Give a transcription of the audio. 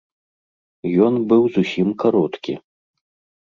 Ён быў зусім кароткі.